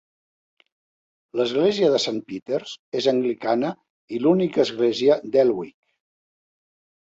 L'església de Saint Peters és anglicana i l 'única església d'Elwick.